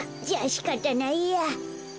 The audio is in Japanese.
じゃあしかたないや。